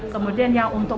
kemudian yang untuk